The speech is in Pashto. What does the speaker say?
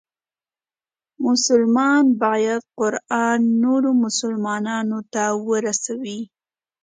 مسلمان باید قرآن نورو مسلمانانو ته ورسوي.